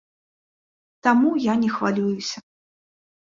Таму я не хвалююся.